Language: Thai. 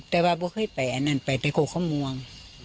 แต่ว่าพวกเขาไปอันนั้นไปตะโกข้ามวง